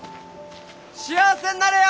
幸せんなれよー！